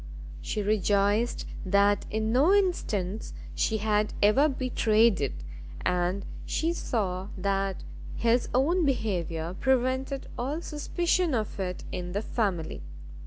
She rejoiced that in no instance she had ever betrayed it, and she saw that his own behaviour prevented all suspicion of it in the family.